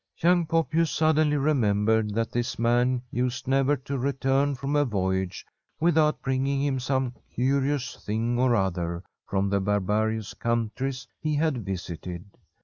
Young Poppius suddenly remembered that this man used never to return from a voyage with out bringing him some curious thing or other from the barbarous countries he had visited.